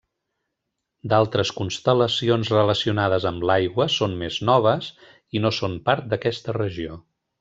D'altres constel·lacions relacionades amb l'aigua són més noves, i no són part d'aquesta regió.